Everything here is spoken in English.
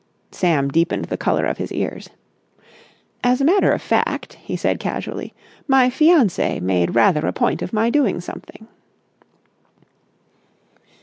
Sam deepened the colour of his ears. "As a matter of fact," he said casually, "my fiancée made rather a point of my doing something."